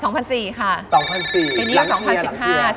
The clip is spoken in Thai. รังเชียล๒ปีปีนี้๒๕๐๐บาท